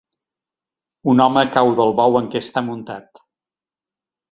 Un home cau del bou en què està muntat